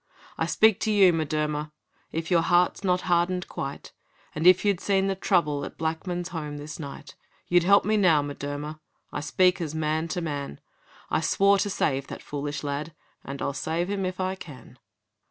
'I speak to you, M'Durmer, If your heart's not hardened quite, And if you'd seen the trouble At Blackman's home this night, You'd help me now, M'Durmer I speak as man to man I swore to save that foolish lad, And I'll save him if I can.'